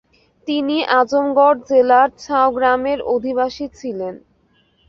তিনি আজমগড় জেলার ছাঁউ গ্রামের অধিবাসী ছিলেন।